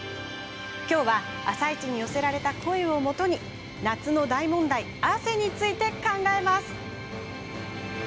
今日は、「あさイチ」に寄せられた声をもとに夏の大問題汗について考えます。